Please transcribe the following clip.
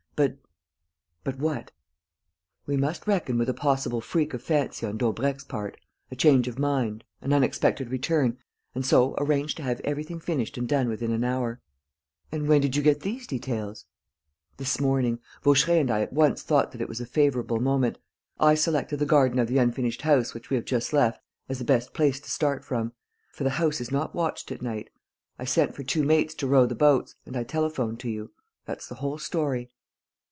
But...." "But what?" "We must reckon with a possible freak of fancy on Daubrecq's part, a change of mind, an unexpected return, and so arrange to have everything finished and done with in an hour." "And when did you get these details?" "This morning. Vaucheray and I at once thought that it was a favourable moment. I selected the garden of the unfinished house which we have just left as the best place to start from; for the house is not watched at night. I sent for two mates to row the boats; and I telephoned to you. That's the whole story."